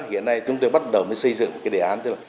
hiện nay chúng tôi bắt đầu mới xây dựng một cái đề án tức là